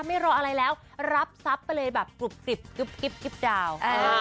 ไม่รออะไรแล้วรับทรัพย์ไปเลยแบบกรุบกริบดาวน์